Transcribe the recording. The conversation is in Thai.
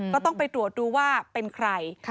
ก็ต้องไปตรวจดูว่าเป็นใคร